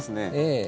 ええ。